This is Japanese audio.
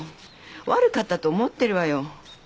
悪かったと思ってるわよ。